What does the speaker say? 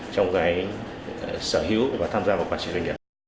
trong cái sở hữu và tham gia vào quản trị doanh nghiệp